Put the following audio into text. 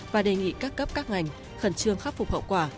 và đề nghị các cấp các ngành khẩn trương khắc phục hậu quả